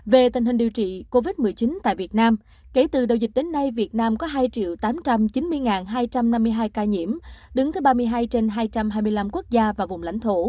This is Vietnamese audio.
về tình hình điều trị covid một mươi chín tại việt nam kể từ đầu dịch đến nay việt nam có hai tám trăm chín mươi hai trăm linh ca